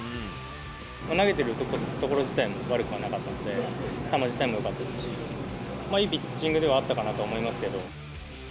投げてる所自体も悪くはなかったので、球自体もよかったですし、まあいいピッチングではあったかなと思いますけど。